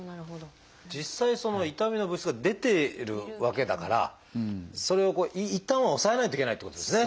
実際痛みの物質が出てるわけだからそれをこういったんは抑えないといけないってことですね。